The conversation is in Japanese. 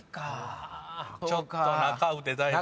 ちょっと「なか卯」でだいぶ。